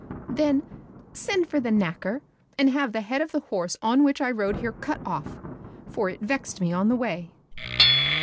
"Then send for the knacker, and have the head of the horse on which I rode here cut off, for it vexed me on the way."